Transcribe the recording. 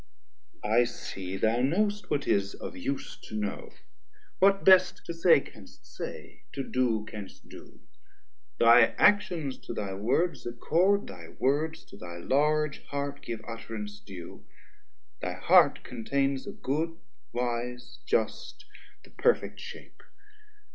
I see thou know'st what is of use to know, What best to say canst say, to do canst do; Thy actions to thy words accord, thy words To thy large heart give utterance due, thy heart 10 Conteins of good, wise, just, the perfect shape.